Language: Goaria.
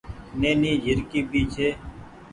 نيني جهرڪي ڀي ڇي۔